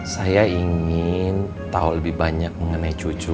saya ingin tahu lebih banyak mengenai cucu